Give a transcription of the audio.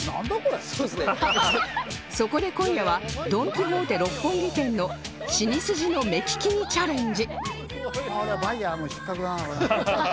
そこで今夜はドン・キホーテ六本木店のシニスジの目利きにチャレンジ